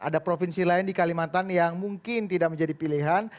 ada provinsi lain di kalimantan yang mungkin tidak menjadi pilihan